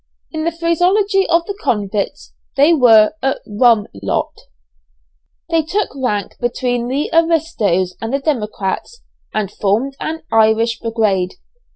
In the phraseology of the convicts, they were a "rum lot." They took rank between the "Aristoes," and the "Democrats," and formed an "Irish Brigade."